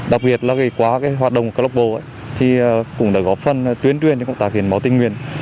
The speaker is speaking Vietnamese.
đặc biệt là qua cái hoạt động câu lạc bộ ấy thì cũng đã góp phần tuyến truyền cho công tác hiển máu tinh nguyên